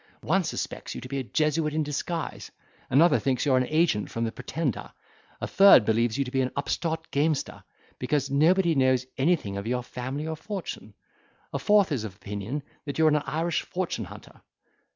One suspects you to be a Jesuit in disguise; another thinks you are an agent from the Pretender; a third believes you to be an upstart gamester, because nobody knows anything of your family or fortune; a fourth is of opinion that you are an Irish fortune hunter."